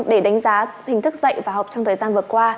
để đánh giá hình thức dạy và học trong thời gian vừa qua